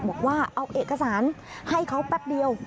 บอกว่าเอาเอกสารให้เขาแป๊บเดียว